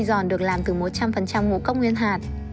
giòn được làm từ một trăm linh ngũ cốc nguyên hạt